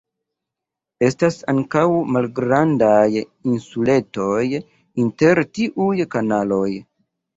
Estas ankaŭ malgrandaj insuletoj inter tiuj kanaloj.